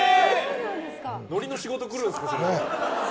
のりの仕事来るんですか？